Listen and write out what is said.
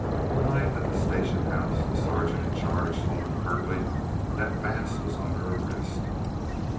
Arrived at the station house, the sergeant in charge told him curtly that Bass was under arrest.